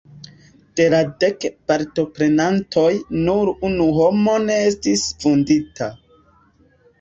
De la dek partoprenantoj, nur unu homo ne estis vundita.